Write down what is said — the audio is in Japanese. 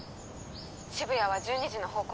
渋谷は１２時の方向